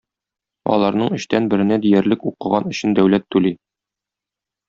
Аларның өчтән беренә диярлек укыган өчен дәүләт түли.